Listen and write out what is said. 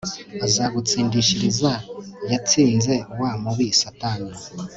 azagutsindishiriza yatsinze wa mubi satani